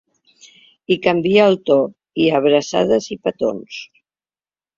I canvia el to, i abraçades i petons.